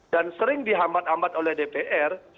dan sering dihambat hambat oleh dpr